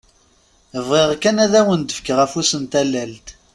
Bɣiɣ kan ad awen-d-fkeɣ afus n tallalt!